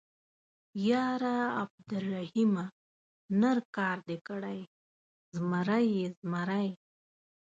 _ياره عبدالرحيمه ، نر کار دې کړی، زمری يې، زمری.